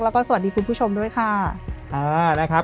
แล้วก็สวัสดีคุณผู้ชมด้วยค่ะ